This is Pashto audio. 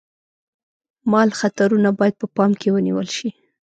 مال خطرونه باید په پام کې ونیول شي.